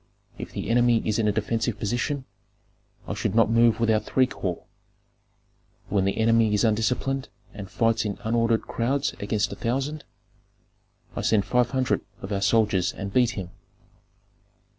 If the enemy is in a defensive position, I should not move without three corps. When the enemy is undisciplined and fights in unordered crowds against a thousand, I send five hundred of our soldiers and beat him.